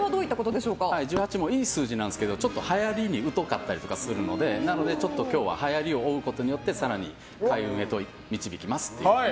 １８もいい数字なんですけどちょっとはやりに疎かったりとかするのでなので、今日ははやりを追うことによって更に開運へと導きますという。